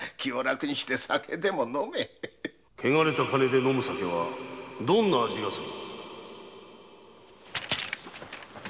・汚れた金で飲む酒はどんな味がする？